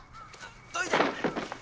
「どいて！」